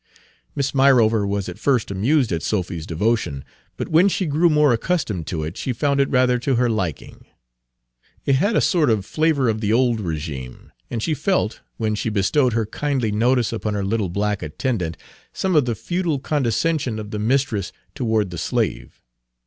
Miss Myrover was at first amused at Sophy's devotion; but when she grew more accustomed to it, she found it rather to her liking. Page 277 It had a sort of flavor of the old régime, and she felt, when she bestowed her kindly notice upon her little black attendant, some of the feudal condescension of the mistress toward the slave.